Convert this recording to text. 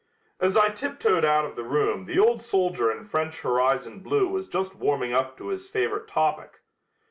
As I tiptoed out of the room the old soldier in French horizon blue was just warming up to his favorite topic.